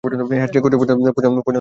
Handshake করতে পছন্দ করে।